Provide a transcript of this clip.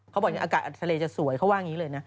เขาบอกตาเลจะสวยเขาว่าอย่างงี้เลยนะ